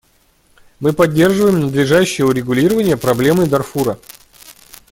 Мы поддерживаем надлежащее урегулирование проблемы Дарфура.